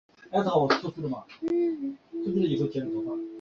尔后进军青海。